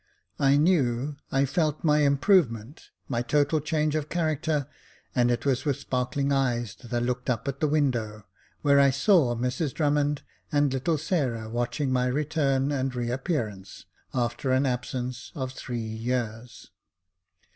I knew, I felt my improvement, my total change of character, and it was with sparkling eyes that I looked up at the window, where I saw Mrs Drummond and little Sarah watching my return and re appearance, after an absence of three years.